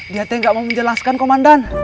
dia nggak mau menjelaskan komandan